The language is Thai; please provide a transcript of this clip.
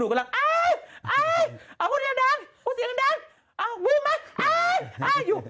คห่าวหนูกำลังกรบแรง